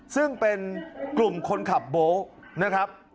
ซึ่งเป็นกลุ่มคนขับโบ๊คนะครับ